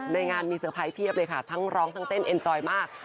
ในงานมีเตอร์ไพรส์เพียบเลยค่ะทั้งร้องทั้งเต้นเอ็นจอยมาก